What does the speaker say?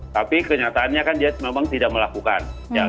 tapi kenyataannya kan dia memang tidak melakukan